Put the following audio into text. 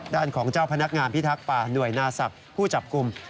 ด้านของเจ้าพนักงานพิทักษ์ป่าหน่วยนาศักดิ์ผู้จับกลุ่ม